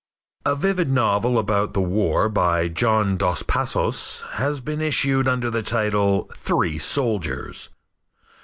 A vivid novel about the war by John Dos Passos has been issued under the title "Three Soldiers."